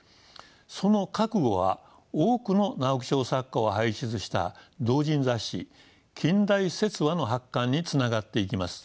その覚悟は多くの直木賞作家を輩出した同人雑誌「近代説話」の発刊につながっていきます。